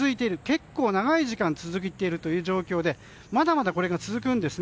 結構、長い時間続いているという状況でまだまだこれが続くんです。